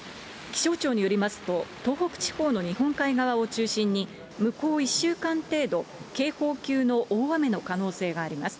気象庁によりますと、東北地方の日本海側を中心に、向こう１週間程度、警報級の大雨の可能性があります。